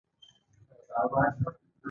زړه د وینې نه بلکې احساساتو تپېږي.